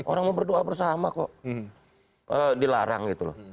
orang mau berdoa bersama kok dilarang gitu loh